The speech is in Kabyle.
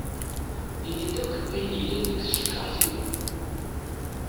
Ini-d akk ayen yellan deg tcekkaṛt-im.